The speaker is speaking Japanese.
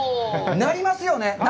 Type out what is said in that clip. なりますよね！？